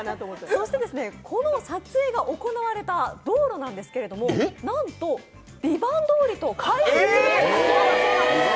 そして、この撮影が行われた道路なんですけれどもなんと、ＶＩＶＡＮＴ通りと改名することにしたそうなんです。